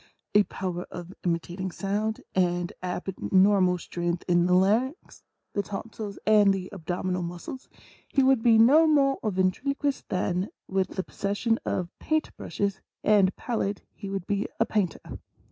a power of imitating sounds, and abnormal strength in the larynx, the tonsils and the abdominal muscles, he would be 8 INTRODUCTION. no more a ventriloquist than with the possession of paint brushes and pallet he would be a painter.